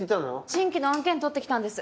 新規の案件取ってきたんです。